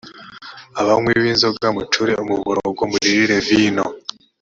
abanywi b’inzoga mucure umuborogo muririre vino